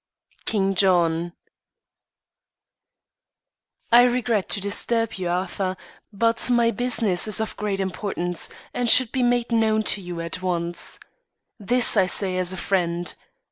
King John. "I regret to disturb you, Arthur; but my business is of great importance, and should be made known to you at once. This I say as a friend.